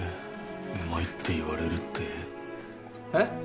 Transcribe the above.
うまいって言われるってえッ？